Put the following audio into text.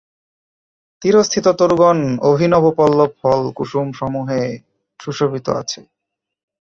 তীরস্থিত তরুগণ অভিনব পল্লব ফল কুসুম সমূহে সুশোভিত আছে।